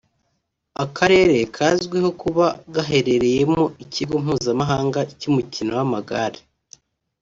Akarere kazwiho kuba gaherereyemo ikigo mpuzamahanga cy’umukino w’amagare